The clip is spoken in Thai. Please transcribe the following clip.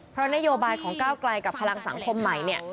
เพราะนโยบายของก้าวไกลกับพลังสังคมใหม่เนี่ย